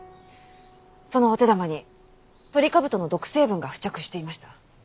そのお手玉にトリカブトの毒成分が付着していました。